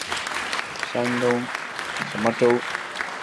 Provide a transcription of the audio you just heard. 山东兖州平阴县东阿镇洪范村人。